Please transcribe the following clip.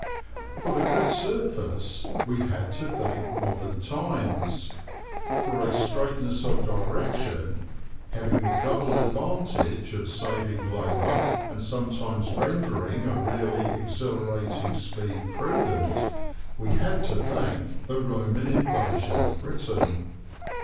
For the good surface we had to thank modern times; for a straightness of direction, having the double advantage of saving labour and sometimes rendering a really exhilarating speed prudent, we had to thank the Roman invasion of Britain.